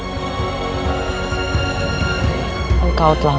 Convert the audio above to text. engkau telah membuatku berpikir dan berpikir